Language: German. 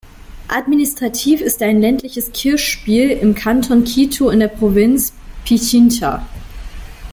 Administrativ ist er ein ländliches Kirchspiel im Kanton Quito in der Provinz Pichincha.